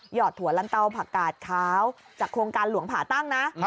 อดถั่วลันเตาผักกาดขาวจากโครงการหลวงผ่าตั้งนะ